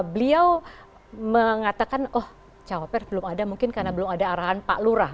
beliau mengatakan oh cawapres belum ada mungkin karena belum ada arahan pak lurah